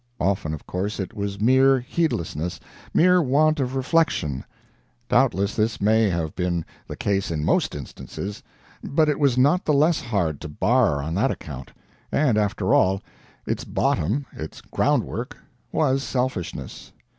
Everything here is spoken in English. Often, of course, it was mere heedlessness, mere want of reflection. Doubtless this may have been the case in most instances, but it was not the less hard to bar on that account and after all, its bottom, its groundwork, was selfishness.